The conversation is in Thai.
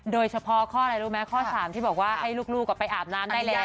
โดยเฉพาะข้ออะไรรู้ไหมข้อ๓ที่บอกว่าให้ลูกไปอาบน้ำได้แล้ว